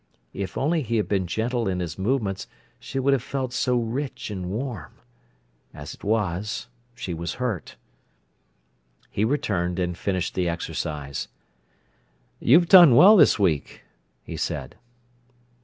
If only he had been gentle in his movements she would have felt so rich and warm. As it was, she was hurt. He returned and finished the exercise. "You've done well this week," he said.